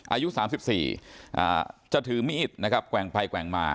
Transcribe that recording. อายุสามสิบสี่อ่าจะถือมิอิดนะครับแกว่งไปแกว่งมา